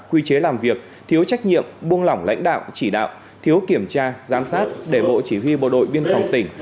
quy chế làm việc thiếu trách nhiệm buông lỏng lãnh đạo chỉ đạo thiếu kiểm tra giám sát để bộ chỉ huy bộ đội biên phòng tỉnh